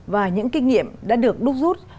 và những kinh nghiệm đã được đúc rút